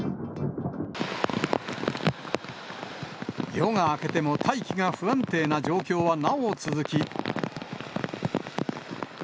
夜が明けても大気が不安定な状況はなお続き。